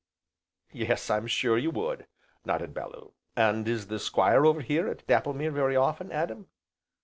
"Yes, I'm sure you would," nodded Bellew. "And is the Squire over here at Dapplemere very often, Adam?"